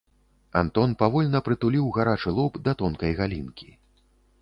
Антон павольна прытуліў гарачы лоб да тонкай галінкі.